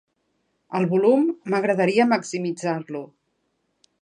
El volum, m'agradaria maximitzar-lo.